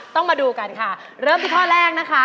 ต้องมาดูกันค่ะเริ่มที่ข้อแรกนะคะ